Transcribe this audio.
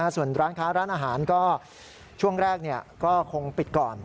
ส่วนร้านค้าร้านอาหารก็ช่วงแรกก็คงปิดก่อน